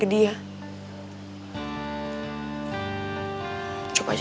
mereka pasti udah janji